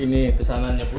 ini pesanannya bu